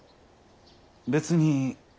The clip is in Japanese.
別に。